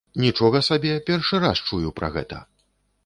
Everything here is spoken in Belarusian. Нічога сабе, першы раз чую пра гэта!